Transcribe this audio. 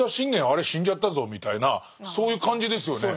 あれ死んじゃったぞみたいなそういう感じですよね。